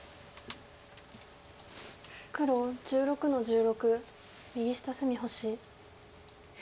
黒１６の十六右下隅星。